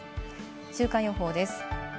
週間予報です。